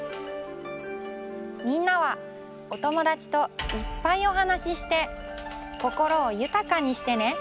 みんなはおともだちといっぱいおはなしして心をゆたかにしてね。